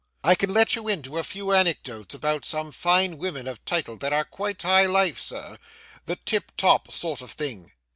I can let you into a few anecdotes about some fine women of title, that are quite high life, sir—the tiptop sort of thing.